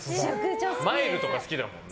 マイルとか好きだもんね。